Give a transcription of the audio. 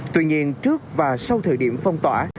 tuy nhiên trước và sau thời điểm phong tỏa